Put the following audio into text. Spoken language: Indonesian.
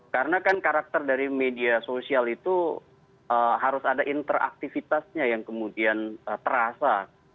karena kan karakter dari media sosial itu harus ada interaktifitasnya yang kemudian terasa